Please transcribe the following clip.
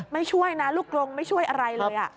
ไม่ช่วยนะลูกกลงไม่ช่วยอะไรเลย